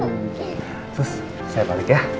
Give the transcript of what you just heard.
terus saya balik ya